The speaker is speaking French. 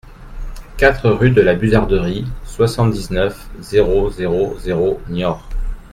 quatre rue de la Buzarderie, soixante-dix-neuf, zéro zéro zéro, Niort